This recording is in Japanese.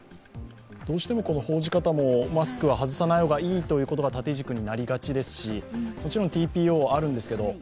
どうしても報じ方もマスクは外さない方がいいということが縦軸になりがちですしもちろんＴＰＯあるんですけれども